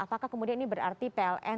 apakah kemudian ini berarti pln